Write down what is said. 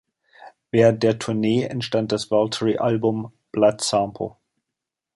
Während der Tournee entstand das Waltari-Album "Blood Sample".